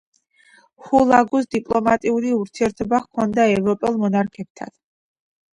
ჰულაგუს დიპლომატიური ურთიერთობა ჰქონდა ევროპელ მონარქებთან.